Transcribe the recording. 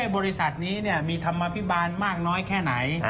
บริษัทนี้มีธรรมภิบาลมากน้อยแค่ไหน